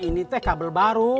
ini teh kabel baru